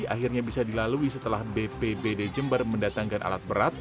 akhirnya bisa dilalui setelah bpbd jember mendatangkan alat berat